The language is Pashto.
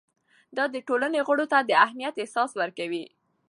دا د ټولنې غړو ته د اهمیت احساس ورکوي.